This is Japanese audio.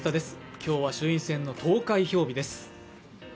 今日は衆院選の投開票日です。